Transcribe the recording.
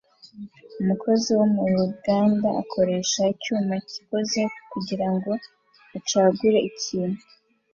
Umukozi wo mu ruganda akoresha icyuma cyikora kugirango acagure ikintu